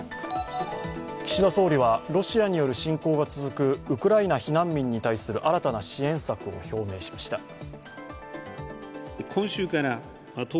岸田総理は、ロシアによる侵攻が続くウクライナ避難民に対する新たな支援策を表明しました。